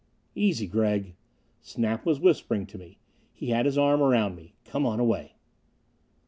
"Easy, Gregg!" Snap was whispering to me. He had his arm around me. "Come on away!"